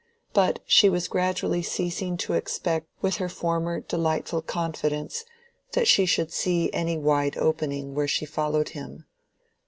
But she was gradually ceasing to expect with her former delightful confidence that she should see any wide opening where she followed him.